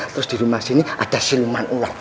terus di rumah sini ada silman ular